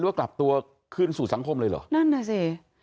ว่ากลับตัวคืนสู่สังคมเลยเหรอนั่นน่ะสิ